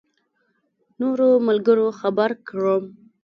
نورو ملګرو خبر کړم.